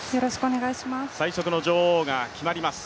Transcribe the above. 最速の女王が決まります。